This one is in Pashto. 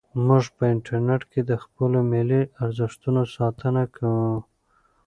موږ په انټرنیټ کې د خپلو ملي ارزښتونو ساتنه کوو.